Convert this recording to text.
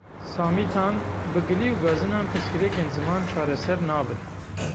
Samî Tan: Bi gilî û gazinan pirsgirêkên ziman çareser nabin.